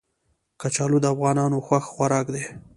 کچالو د افغانانو خوښ خوراک دی